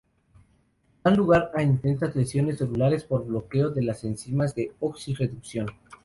Dan lugar a intensas lesiones celulares por bloqueo de las enzimas de oxi-reducción.